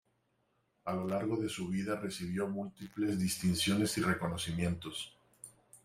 A lo largo de su vida recibió múltiples distinciones y reconocimientos.